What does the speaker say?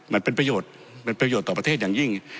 มันเป็นประโยชน์เป็นประโยชน์ต่อประเทศอย่างยิ่ง